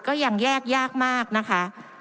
ก็ยังแยกยากมากนะคะ